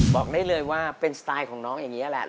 บอกได้เลยว่าเป็นสไตล์ของน้องอย่างนี้แหละ